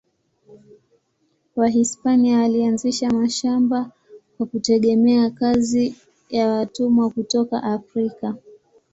Wahispania walianzisha mashamba kwa kutegemea kazi ya watumwa kutoka Afrika.